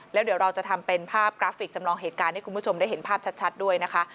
แล้วเดี๋ยวเราจะทำเป็นภาพกราฟิกจำลองเหตุการณ์ให้คุณผู้ชมได้เห็นภาพชัดด้วยนะคะ